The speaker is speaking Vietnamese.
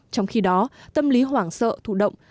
trong khi đó tâm lý hoảng sợ thủ động